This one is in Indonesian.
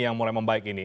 yang mulai membaik ini